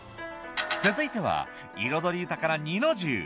続いては彩り豊かな弐の重。